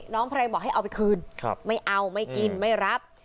ภรรยาบอกให้เอาไปคืนไม่เอาไม่กินไม่รับ